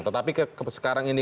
tetapi sekarang ini